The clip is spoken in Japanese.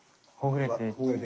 ほぐれて？